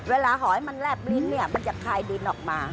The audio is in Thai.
หอยมันแลบลิ้นเนี่ยมันจะคลายดินออกมา